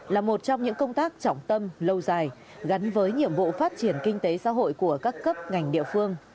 là một trong những công tác trọng tâm lâu dài gắn với nhiệm vụ phát triển kinh tế xã hội của các cấp ngành địa phương